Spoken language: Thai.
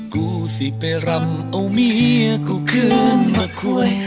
กูสิไปรำเอาเมียกูขึ้นมาคุย